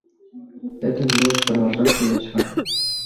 Это не может продолжаться вечно.